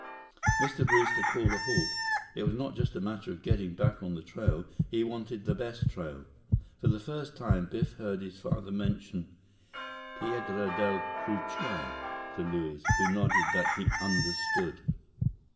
Mr. Brewster called a halt. It was not just a matter of getting back on the trail; he wanted the best trail. For the first time, Biff heard his father mention "Piedra Del Cucuy" to Luiz, who nodded that he understood.